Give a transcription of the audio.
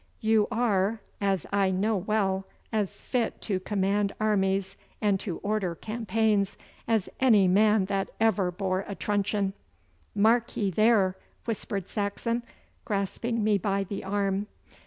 You are, us I know well, as fit to command armies and to order campaigns as any man that ever bore a truncheon.' 'Mark ye there!' whispered Saxon, grasping me by the arm.